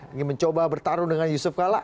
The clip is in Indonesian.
ingin mencoba bertarung dengan yusuf kala